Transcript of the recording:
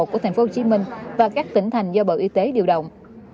của tp hcm và các tỉnh thành do bộ y tế điều động